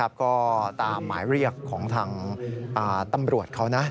ก็ตามหมายเรียกของทางตำรวจเขานะ